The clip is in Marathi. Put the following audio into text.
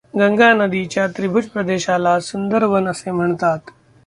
गंगा नदीच्या त्रिभुज प्रदेशाला सुंदरवन असे म्हणतात.